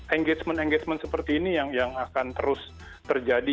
engagement engagement seperti ini yang akan terus terjadi